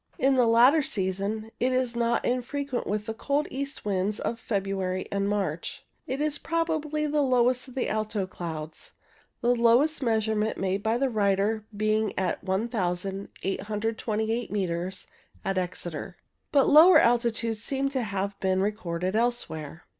In the latter season it is not unfrequent with the cold east winds of February and March, It is probably the lowest of the alto clouds ; the lowest measure ment made by the writer being 1828 metres at Exeter, but lower altitudes seem to have been recorded elsewhere.